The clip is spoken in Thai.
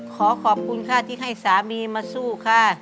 ขอขอบคุณค่ะที่ให้สามีมาสู้ค่ะ